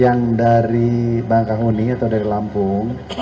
yang dari bangkahuni atau dari lampung